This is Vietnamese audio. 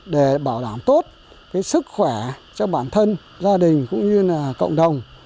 để bảo đảm tốt cái sức khỏe cho bản thân gia đình cũng như là cộng đồng